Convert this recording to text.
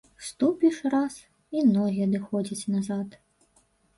Ступіш раз, і ногі адыходзяць назад.